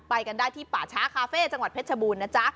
ไปกันได้ที่ป่าช้าคาเฟ่จังหวัดเพชรบูรณนะจ๊ะ